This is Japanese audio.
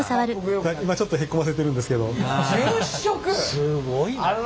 すごいなあ。